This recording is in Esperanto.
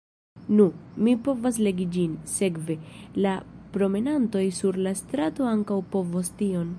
Nu, mi povas legi ĝin, sekve: la promenantoj sur la strato ankaŭ povos tion.